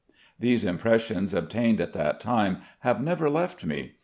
These impressions, obtained at that time, have never left me.